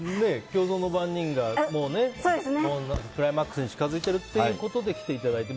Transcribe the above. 「競争の番人」がもうクライマックスに近づいているということで来ていただいて。